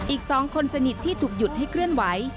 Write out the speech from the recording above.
อีก๒คนสนิทที่ถูกหยุดให้เคลื่อนไหว